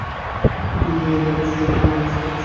মীরা খুব চেষ্টা করছেন না-হাসতে।